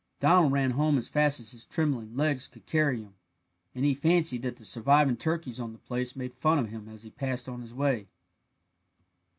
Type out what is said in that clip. Donald ran home as fast as his trembling legs could carry him, and he fancied that the surviving turkeys on the place made fun of him as he passed on his way.